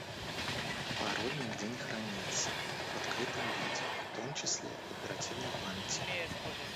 Пароль нигде не хранится в открытом виде, в том числе в оперативной памяти